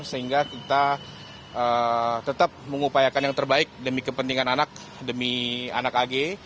sehingga kita tetap mengupayakan yang terbaik demi kepentingan anak demi anak ag